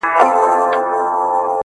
ژوند څه دی پيل يې پر تا دی او پر تا ختم,